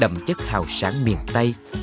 đậm chất hào sáng miền tây